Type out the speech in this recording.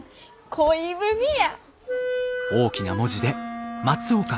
恋文や！